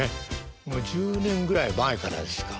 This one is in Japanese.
もう１０年ぐらい前からですか。